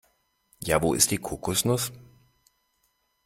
Ja, wo ist die Kokosnuss?